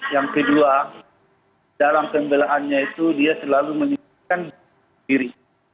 yang kedua dalam pembelaannya itu dia selalu meningkatkan diri